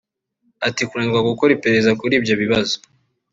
Ati “Kunanirwa gukora iperereza kuri ibyo bibazo